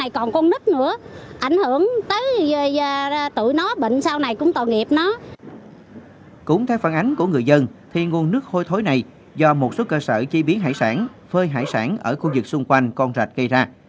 cũng theo phản ánh của người dân thì nguồn nước hôi thối này do một số cơ sở chế biến hải sản phơi hải sản ở khu vực xung quanh con rạch gây ra